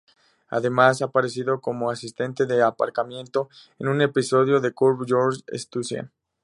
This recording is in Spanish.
Además, ha aparecido como asistente de aparcamiento en un episodio de "Curb Your Enthusiasm".